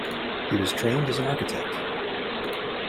He was trained as an architect.